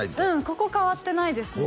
ここ変わってないですね